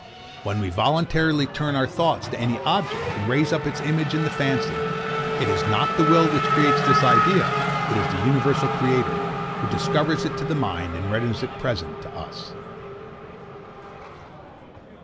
When we voluntarily turn our thoughts to any object, and raise up its image in the fancy, it is not the will which creates that idea: It is the universal Creator, who discovers it to the mind, and renders it present to us.